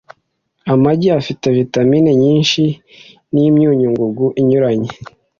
Amagi afite vitamini nyinshi n’imyunyungugu inyuranye